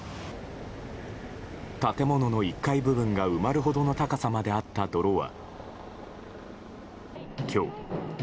建物の１階部分が埋まるほどの高さまであった泥は今日。